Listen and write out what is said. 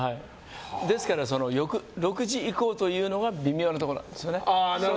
ですから、６時以降というのが微妙なところなんですよね。